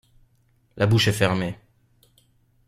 La bouche est fermée.